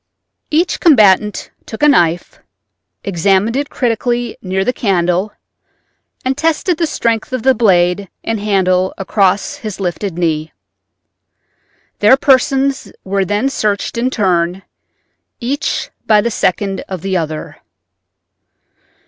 Each combatant took a knife, examined it critically near the candle and tested the strength of the blade and handle across his lifted knee. Their persons were then searched in turn, each by the second of the other.